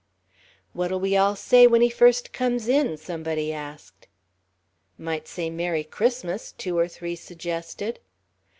"What'll we all say when he first comes in?" somebody asked. "Might say 'Merry Christmas,'" two or three suggested.